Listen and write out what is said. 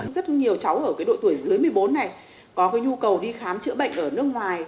rất nhiều cháu ở độ tuổi dưới một mươi bốn này có nhu cầu đi khám chữa bệnh ở nước ngoài